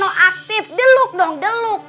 kayaknya tidak aktif deluk dong deluk